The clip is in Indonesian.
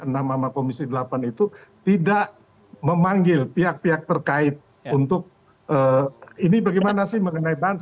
nama nama komisi delapan itu tidak memanggil pihak pihak terkait untuk ini bagaimana sih mengenai banten